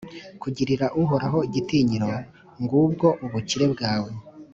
kugirira Uhoraho igitinyiro, ngubwo ubukire bwawe!